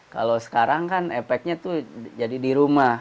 kalau sekarang kan efeknya tuh jadi di rumah